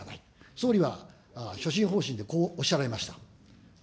総理は所信方針でこうおっしゃられました。